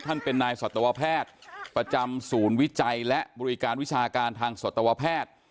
ท่านเป็นนายสัตวแพทย์ประจำศูนย์วิจัยและบริการวิชาการทางสตวแพทย์